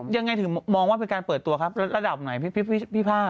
ยังไงถึงมองว่าเป็นการเปิดตัวครับระดับไหนพี่ผ้า